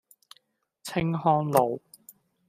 青康路